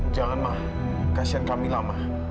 jangan ma kasihan kamila ma